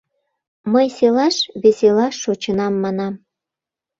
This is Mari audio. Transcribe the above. «Мый селаш, веселаш, шочынам», — манам.